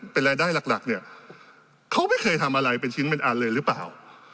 เป็นรายได้หลักเนี่ยเขาไม่เคยทำอะไรเป็นชิ้นเป็นอันเลยหรือเปล่า